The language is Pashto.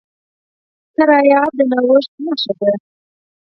الوتکه د نوښت نښه ده.